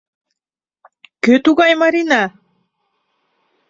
— Кӧ тугай Марина?